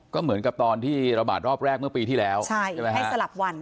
ก็เหมือนกับตอนที่ระบาดรอบแรกเมื่อปีที่แล้วให้สลับวัน